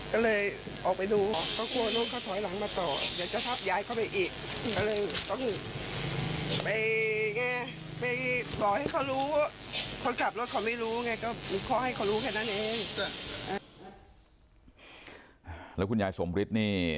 ก็เลยออกไปดูเขากลัวลูกเขาถอยหลังมาต่อ